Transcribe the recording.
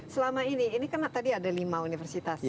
selama ini ini kan tadi ada lima universitas ya